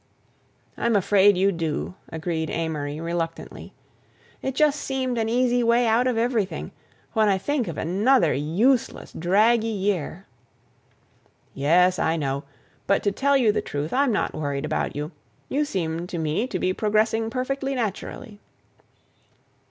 "I'm afraid you do," agreed Amory reluctantly. "It just seemed an easy way out of everything—when I think of another useless, draggy year." "Yes, I know; but to tell you the truth, I'm not worried about you; you seem to me to be progressing perfectly naturally."